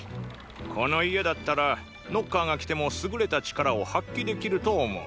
この家だったらノッカーが来ても優れた力を発揮できると思う。